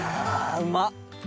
うまっ。